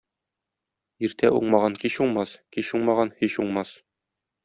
Иртә уңмаган кич уңмас, кич уңмаган һич уңмас.